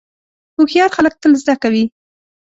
هوښیار خلک تل زده کوي.